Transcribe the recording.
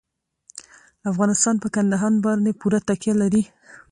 افغانستان په کندهار باندې پوره تکیه لري.